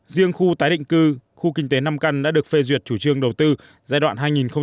riêng khu tái định cư khu kinh tế năm căn đã được phê duyệt chủ trương đầu tư giai đoạn hai nghìn một mươi bảy hai nghìn một mươi chín